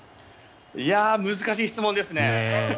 難しい質問ですね。